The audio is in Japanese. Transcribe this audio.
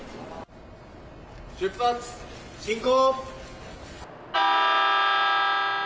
出発進行！